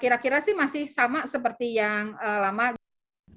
kira kira sih masih sama seperti yang lama gitu